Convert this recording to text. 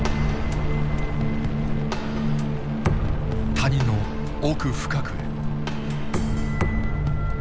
谷の奥深くへ。